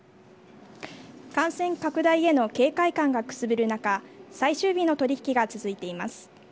感染拡大への警戒感がくすぶる中最終日の取引が続いています。